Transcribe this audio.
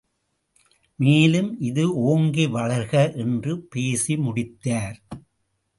மேலும் இது ஓங்கி வளர்க— என்று பேசி முடித்தார்.